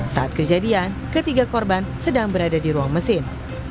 saat kejadian ketiga korban sedang berada di ruang mesin